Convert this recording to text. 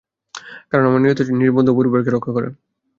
কারণ আমার নিয়তি হচ্ছে নিজের বন্ধু ও পরিবারকে রক্ষা করা।